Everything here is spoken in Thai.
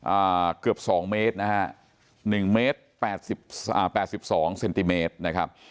อ่าเกือบสองเมตรนะฮะหนึ่งเมตรแปดสิบอ่าแปดสิบสองเซนติเมตรนะครับ